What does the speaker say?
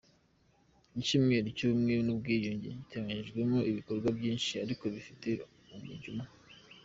Icyumweru cy’Ubumwe n’ubwiyunge giteganyijwemo ibikorwa byinshi ariko bifite umujyo umwe.